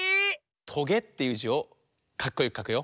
「とげ」っていう「じ」をかっこよくかくよ。